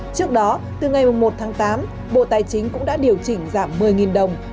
trước đó từ ngày một tháng tám bộ tài chính cũng đã điều chỉnh giảm một mươi đồng